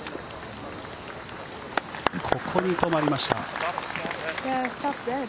ここに止まりました。